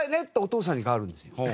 ってお父さんに代わるんですよ。